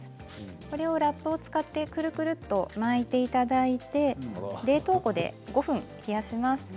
これをラップを使ってくるくると巻いていただいて冷凍庫で５分冷やします。